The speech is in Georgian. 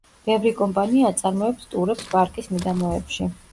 ბევრი კომპანია აწარმოებს ტურებს პარკის მიდამოებში.